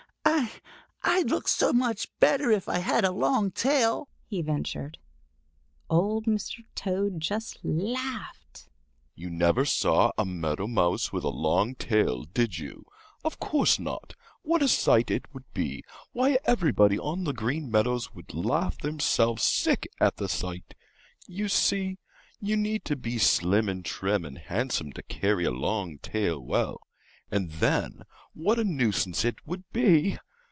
"I—I—I'd look so much better if I had a long tail," he ventured. Old Mr. Toad just laughed. "You never saw a Meadow Mouse with a long tail, did you? Of course not. What a sight it would be! Why, everybody on the Green Meadows would laugh themselves sick at the sight! You see you need to be slim and trim and handsome to carry a long tail well. And then what a nuisance it would be!